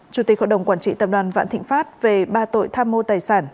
chủ tịch hội đồng quản trị tập đoàn vạn thịnh pháp về ba tội tham mô tài sản